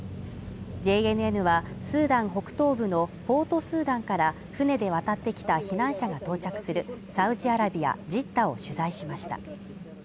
ＪＮＮはスーダン北東部のポートスーダンから船で渡ってきた避難者が到着するサウジアラビアジッタを取材しました。